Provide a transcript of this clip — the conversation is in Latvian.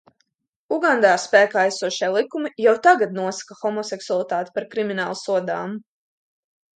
Ugandā spēkā esošie likumi jau tagad nosaka homoseksualitāti par krimināli sodāmu.